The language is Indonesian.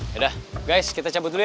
sudah guys kita cabut dulu ya